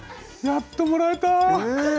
やっともらえた。